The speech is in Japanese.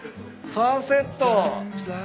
サンセット。